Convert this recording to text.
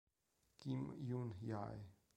Kim Yun-jae